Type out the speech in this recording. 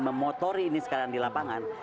memotori ini sekarang di lapangan